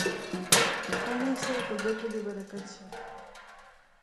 قانع صاحب په ګوتو دې برکت شه.